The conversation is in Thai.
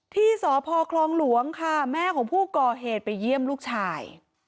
ที่สพคลองหลวงค่ะแม่ของผู้ก่อเหตุไปเยี่ยมลูกชาย